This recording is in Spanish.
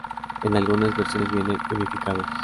En algunas versiones vienen unificados.